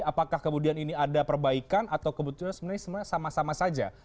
apakah kemudian ini ada perbaikan atau kebetulan sebenarnya sama sama saja